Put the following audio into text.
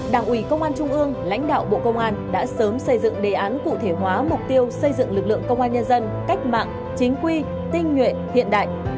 đảng ủy công an trung ương lãnh đạo bộ công an đã sớm xây dựng đề án cụ thể hóa mục tiêu xây dựng lực lượng công an nhân dân cách mạng chính quy tinh nhuệ hiện đại